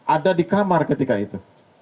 ada di kamar ketika itu